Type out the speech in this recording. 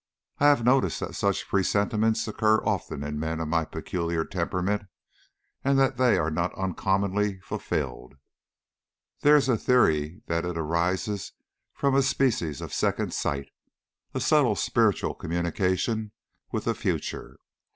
I have noticed that such presentiments occur often in men of my peculiar temperament, and that they are not uncommonly fulfilled. There is a theory that it arises from a species of second sight, a subtle spiritual communication with the future.